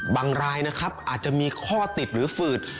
รายนะครับอาจจะมีข้อติดหรือฝืด